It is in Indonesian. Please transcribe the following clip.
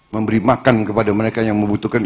memberi makan kepada mereka yang membutuhkan